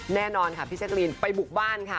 แน่นอนค่ะพี่แจ๊กรีนไปบุกบ้านค่ะ